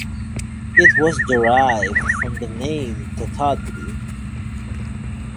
It was derived from the name "Totadri".